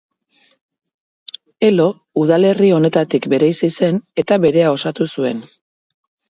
Elo udalerri honetatik bereizi zen eta berea osatu zuen.